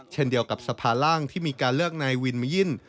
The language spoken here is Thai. เช่นเดียวกับสภาร่างที่มีการเลือกนายวินมยิน